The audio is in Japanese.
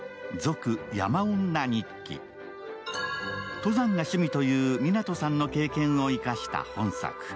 登山が趣味という湊さんの経験を生かした本作。